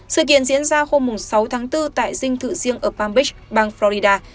sự kiện diễn ra hôm sáu tháng bốn tại dinh thự riêng ở palm beach bang florida